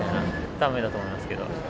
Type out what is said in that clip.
だめだと思いますけど。